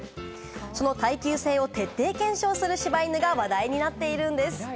その耐久性を徹底検証する柴犬が話題になっているんです。